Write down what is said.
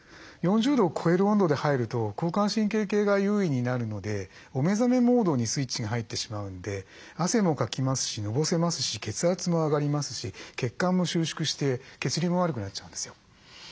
４０度を超える温度で入ると交感神経系が優位になるのでお目覚めモードにスイッチが入ってしまうんで汗もかきますしのぼせますし血圧も上がりますし血管も収縮して血流も悪くなっちゃうんですよ。